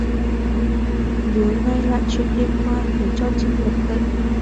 Nhớ ngay lại chuyện đêm qua khiến cho chinh bật dậy